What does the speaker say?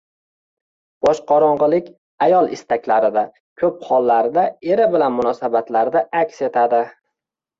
Boshqorong‘ilik ayol istaklarida, ko‘p hollarda eri bilan munosabatlarida aks etadi.